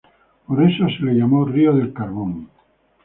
Por eso se le llamó "Río del Carbón".